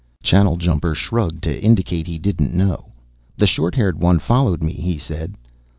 Channeljumper shrugged to indicate he didn't know. "The short haired one followed me," he said.